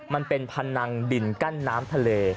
มันเป็นพนังดินกั้นน้ำทะเล